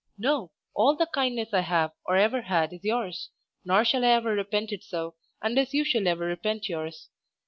No, all the kindness I have or ever had is yours; nor shall I ever repent it so, unless you shall ever repent yours.